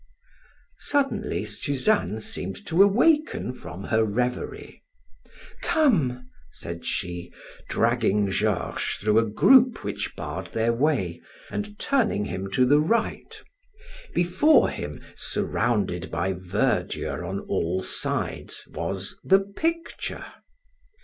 Suddenly Suzanne seemed to awaken from her reverie. "Come," said she, dragging Georges through a group which barred their way, and turning him to the right. Before him, surrounded by verdure on all sides, was the picture.